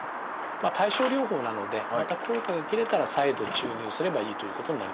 対症療法なのでまた効果が切れたら再度注入すればいいということになります。